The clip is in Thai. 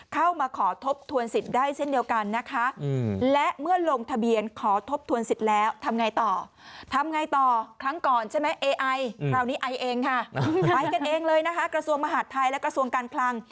จริงค่ะไปกันเองเลยนะคะกระทรวงมหาดไทยและกระทรวงการคลัง